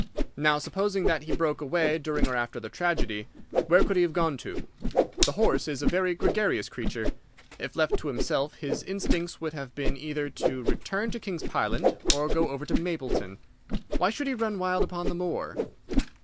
Now, supposing that he broke away during or after the tragedy, where could he have gone to? The horse is a very gregarious creature. If left to himself his instincts would have been either to return to King's Pyland or go over to Mapleton. Why should he run wild upon the moor?